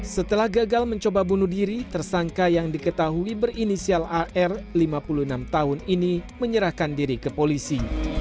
setelah gagal mencoba bunuh diri tersangka yang diketahui berinisial ar lima puluh enam tahun ini menyerahkan diri ke polisi